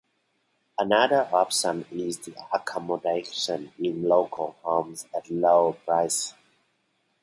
Another option is the accommodation in local homes at lower prices.